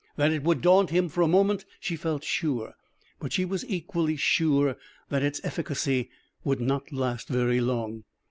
That it would daunt him for a moment, she felt sure, but she was equally sure that its efficacy would not last very long.